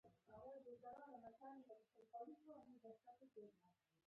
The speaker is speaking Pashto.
د متلونو شالیدونه مختلف ډولونه لري